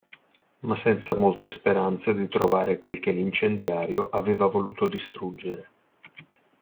Ma senza molte speranze di trovare quel che l'incendiario aveva voluto distruggere.